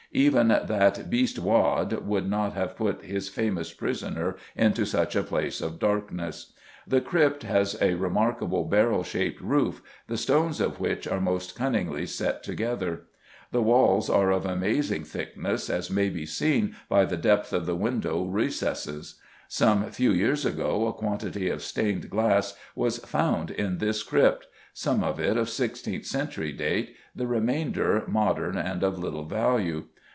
Even "that beast Waad" would not have put his famous prisoner into such a place of darkness. The crypt has a remarkable barrel shaped roof, the stones of which are most cunningly set together. The walls are of amazing thickness, as may be seen by the depth of the window recesses. Some few years ago a quantity of stained glass was found in this crypt; some of it of sixteenth century date, the remainder modern and of little value.